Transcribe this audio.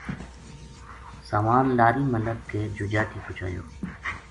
سامان لاری ما لد کے جوجاٹی پوہچایو